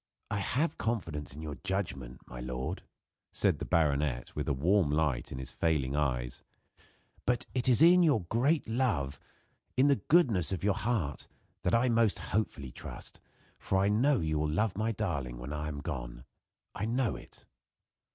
"I have confidence in your judgment, my lord," said the baronet, with a warm light in his failing eyes, "but it is in your great love in the goodness of your heart that I most hopefully trust, for I know you will love my darling when I am gone. I know it."